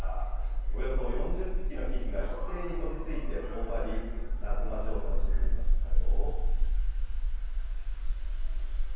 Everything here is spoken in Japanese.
およそ４０匹のヒヒが一斉に飛びついてほおばり、夏の味を楽しんでいましたよ。